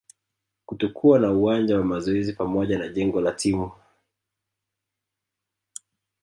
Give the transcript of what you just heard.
kutokuwa na uwanja wa mazoezi pamoja na jengo la timu